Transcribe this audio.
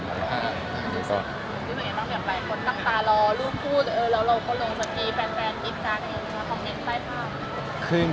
หรือเปล่า